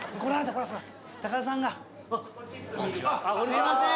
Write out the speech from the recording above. すみません